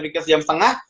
bikin sejam setengah